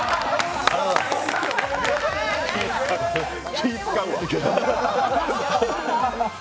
気使うわ。